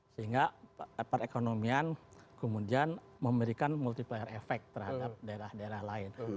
sehingga perekonomian kemudian memberikan multiplier efek terhadap daerah daerah lain